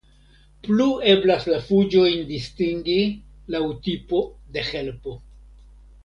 Plu eblas la fuĝojn distingi laŭ tipo de helpo.